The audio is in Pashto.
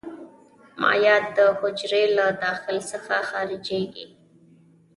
مایعات د حجرې له داخل څخه خارجيږي.